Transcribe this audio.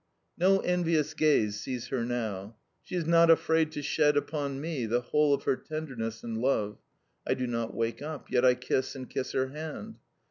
No envious gaze sees her now. She is not afraid to shed upon me the whole of her tenderness and love. I do not wake up, yet I kiss and kiss her hand.